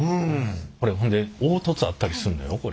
これ凹凸あったりするのよこれ。